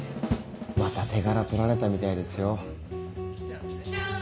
また手柄取られたみたいですよ。来ちゃうよね。